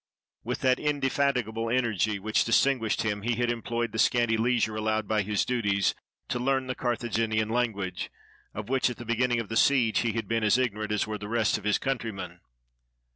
With that indefatigable energy which distinguished him he had employed the scanty leisure allowed by his duties to learn the Carthaginian lan guage, of which at the beginning of the siege he had been as ignorant as were the rest of his countrymen.